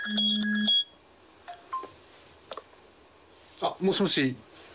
あっ、もしもし。